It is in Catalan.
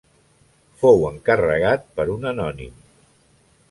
Fou encarregat per un anònim.